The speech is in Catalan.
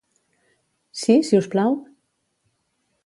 Si, si us plau?